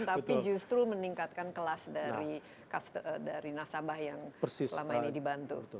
tapi justru meningkatkan kelas dari nasabah yang selama ini dibantu